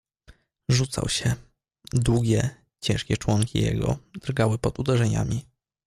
"Rzucał się: długie, ciężkie członki jego drgały pod uderzeniami."